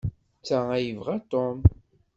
D ta ay yebɣa Tom.